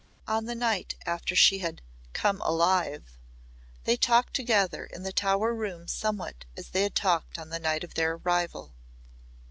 On the night after she had "come alive" they talked together in the Tower room somewhat as they had talked on the night of their arrival.